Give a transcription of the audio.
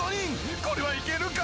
これはいけるか？